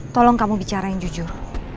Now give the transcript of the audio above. tolong kamu bicara yang jujur